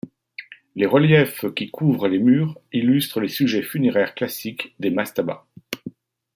Les reliefs qui couvrent les murs illustrent les sujets funéraires classiques des mastaba.